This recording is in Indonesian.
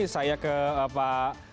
saya ke pak